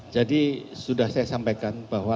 jadi sudah saya sampaikan bahwa